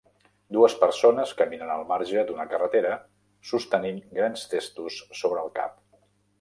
Dues persones caminen al marge d'una carretera, sostenint grans testos sobre el cap.